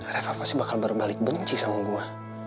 reva pasti bakal berbalik benci sama gue